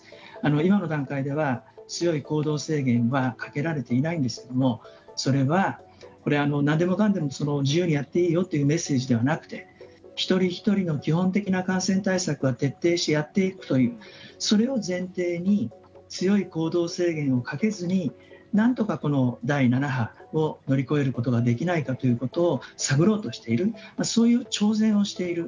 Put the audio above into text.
今の段階では強い行動制限はかけられていないんですけどもそれは、なんでもかんでも自由にやっていいよというメッセージではなくて一人一人の基本的な感染対策を徹底してやっていくということを前提に強い行動制限をかけずになんとか第７波を乗り越えることができないかということを探ろうとしているそういう挑戦をしている。